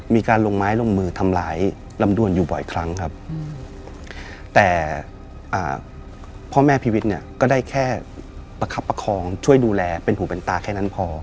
มีการลงไม้ลงมือทำร้ายลำดวนอยู่บ่อยครั้งครับแต่พ่อแม่พีวิทย์เนี่ยก็ได้แค่ประคับประคองช่วยดูแลเป็นหูเป็นตาแค่นั้นพอ